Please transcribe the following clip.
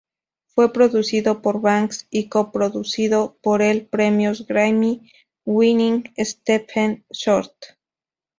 Fue producido por Banks, y co-producido por el Premios Grammy-winning Stephen Short.